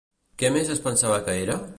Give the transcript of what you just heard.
Què més es pensava que era?